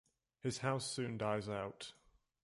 His house soon dies out.